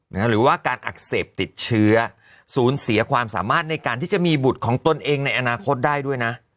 หรือว่าการอักเสบติดเชื้อศูนย์เสียความสามารถในการที่จะมีบุตรของตนเองในอนาคตได้ด้วยนะ